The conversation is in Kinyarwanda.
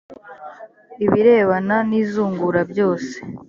ibirebana n izungura byose